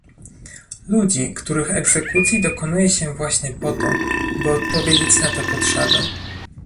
Ludzi, których egzekucji dokonuje się właśnie po to, by odpowiedzieć na te potrzeby